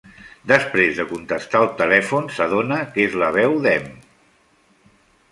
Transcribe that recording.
Després de contestar el telèfon s'adona que és la veu d'Em.